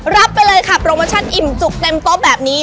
รับไปเลยค่ะโปรโมชั่นอิ่มจุกเต็มโต๊ะแบบนี้